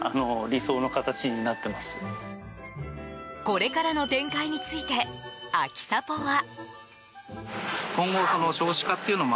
これからの展開についてアキサポは。